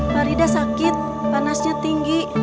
farida sakit panasnya tinggi